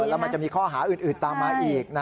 แล้วมันจะมีข้อหาอื่นตามมาอีก